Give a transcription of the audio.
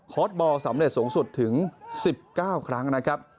บอลสำเร็จสูงสุดถึง๑๙ครั้งนะครับ